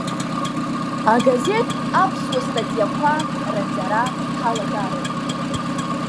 Агазеҭ аԥсуа статиақәа ранҵара ҳалагароуп.